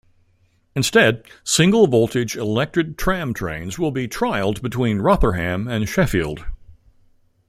Instead single-voltage electric tram-trains will be trialled between Rotherham and Sheffield.